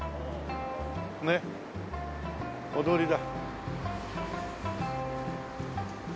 ねっ踊りだ。